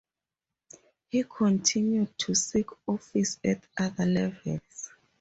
He continued to seek office at other levels.